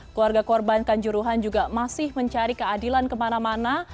keluarga korbankan juruhan juga masih mencari keadilan kemana mana